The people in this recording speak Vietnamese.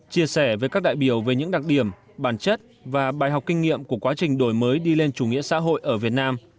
chia sẻ với các đại biểu về những đặc điểm bản chất và bài học kinh nghiệm của quá trình đổi mới đi lên chủ nghĩa xã hội ở việt nam